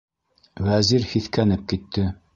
Вәзир һиҫкәнеп китте.